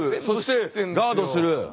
そしてガードする。